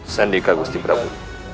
sandika gusti prabu